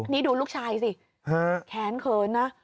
นี่ดูลูกชายสิแขนเขินนะ